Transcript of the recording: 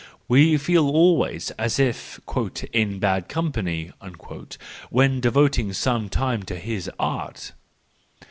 We feel always as if "in bad company" when devoting some time to his art.